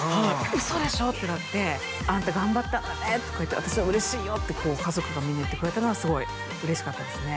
「嘘でしょ？」ってなって「あんた頑張ったんだね」とか言って「私は嬉しいよ」ってこう家族がみんな言ってくれたのはすごい嬉しかったですね